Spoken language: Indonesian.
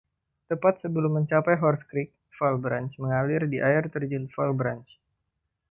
Tepat sebelum mencapai Horse Creek, Fall Branch mengalir di Air Terjun Fall Branch.